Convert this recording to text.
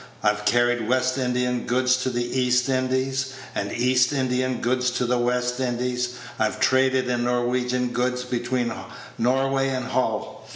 I've carried West Indian goods to the East Indies, and East Indian goods to the West Indies. I've traded in Norwegian goods between Norway and Hull.